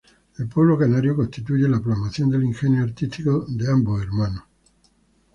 El Pueblo Canario constituye la plasmación del ingenio artístico de ambos hermanos.